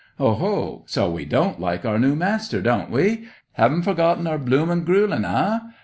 "Oho! So we don't like our new master, don't we? Haven't forgotten our blooming gruellin', eh?